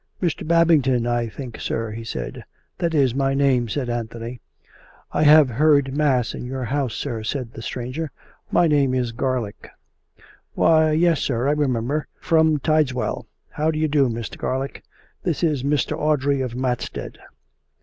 " Mr. Babington, I think, sir," he said. " That is my name," said Anthony. COME RACK! COME ROPE! 35 " I have heard mass in your house^ s'ir," said the stranger, " My name is Garlick." " Why, yes, sir, I remember — from Tideswell. How do you do, Mr. Garlick? This is Mr. Audrey, of Matstead."